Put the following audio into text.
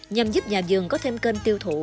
nhằm giúp nhà vườn có thêm kênh tiêu thụ